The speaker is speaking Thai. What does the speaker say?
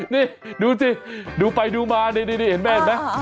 นี่ดูสิดูไปดูมานี่เห็นไหม